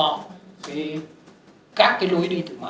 các cái lối đi tự mở